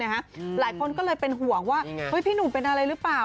หลายคนก็เลยเป็นห่วงว่าพี่หนุ่มเป็นอะไรหรือเปล่า